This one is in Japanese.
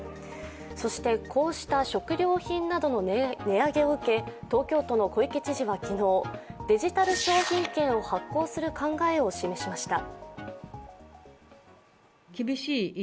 そしてこうした食料品などの値上げをうけ東京都の小池知事は昨日、デジタル商品券を発行する考えを示しました。